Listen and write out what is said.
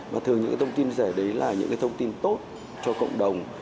và thường những cái thông tin chia sẻ đấy là những cái thông tin tốt cho cộng đồng